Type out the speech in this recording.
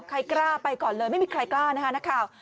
ใครกล้าไปก่อนเลยไม่มีใครกล้านะคะนักข่าว